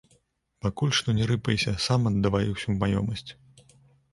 Пакуль што не рыпайся, сам аддавай усю маёмасць.